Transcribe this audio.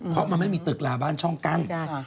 เขาไม่มีตึกระบานช่องกั้น